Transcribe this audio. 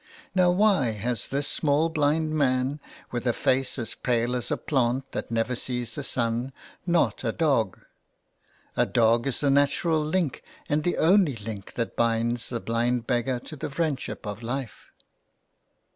Now why has this small blind man, with a face as pale as a plant that never sees the sun, not a dog ? A dog is the natural link and the only link that binds the blind beggar to the friendship of life.